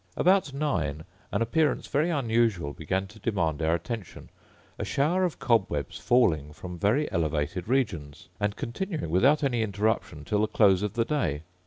About nine an appearance very unusual began to demand our attention, a shower of cobwebs falling from very elevated regions, and continuing, without any interruption, till the close of the day.